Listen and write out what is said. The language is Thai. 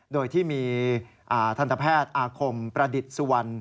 โดยที่มีทันตแพทย์อาคมประดิษฐ์สุวรรณ